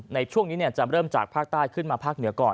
ในช่วงนี้จะเริ่มจากภาคใต้ขึ้นมาภาคเหนือก่อน